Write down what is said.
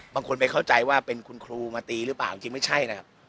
บางคนไปเข้าใจว่าเป็นคุณครูมาตีหรือเปล่าจริงไม่ใช่นะครับ